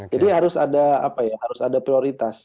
jadi harus ada prioritas